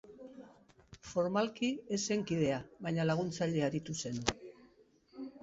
Formalki ez zen kidea, baina laguntzaile aritu zen.